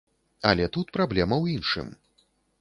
Але тут праблема ў іншым.